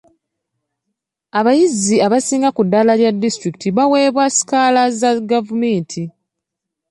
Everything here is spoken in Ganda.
Abayizi abasinga ku ddaala lya disitulikiti baweebwa sikaala za gavumenti.